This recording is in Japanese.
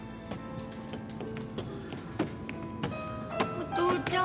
お父ちゃん